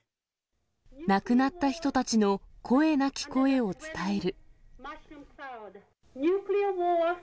亡くなった人たちの声なき声を伝える。